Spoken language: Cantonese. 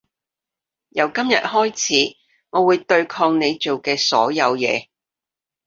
由今日開始我會對抗你做嘅所有嘢